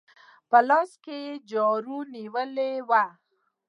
په لاس کې يې جارو نيولې وه.